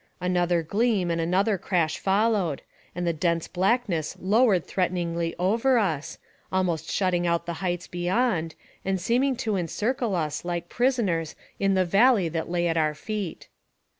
Another gleam and another crash followed, and the dense blackness lowered threateningly over us, almost shutting out the heights beyond, and seeming to en circle us like prisoners in the valley that lay at our feet.